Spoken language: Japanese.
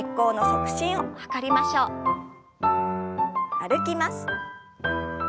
歩きます。